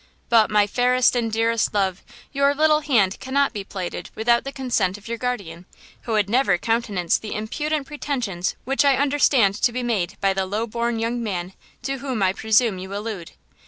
"But, my fairest and dearest love, your little hand cannot be plighted without the consent of your guardian, who would never countenance the impudent pretensions which I understand to be made by the low born young man to whom I presume you allude.